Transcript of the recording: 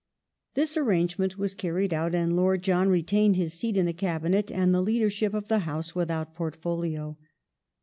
This arrangement was carried out, and Lord John retained his seat in the Cabinet and the leadership of the House, without portfolio.